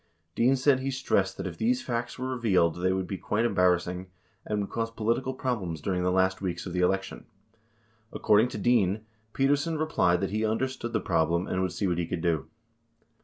Dean Said he stressed that if these facts were revealed they would be quite embarras sing and would cause political problems during the last weeks of the election. According to Dean, Peterson replied that he understood the problem and would see what he could do.